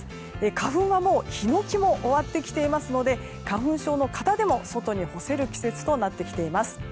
花粉はもうヒノキも終わってきていますので花粉症の方でも外に干せる季節となってきています。